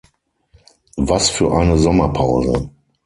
Was für eine Sommerpause!